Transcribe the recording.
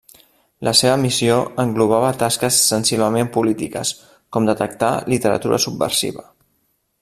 La seva missió englobava tasques sensiblement polítiques, com detectar literatura subversiva.